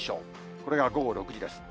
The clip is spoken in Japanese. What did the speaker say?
これが午後６時です。